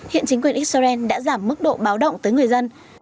hiện chính quyền israel đã giảm mức độ báo động tới người dân